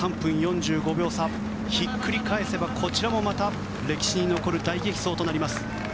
３分４５秒差ひっくり返せば、こちらもまた歴史に残る大激走となります。